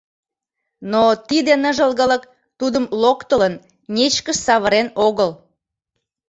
Но тиде ныжылгылык тудым локтылын, нечкыш савырен огыл.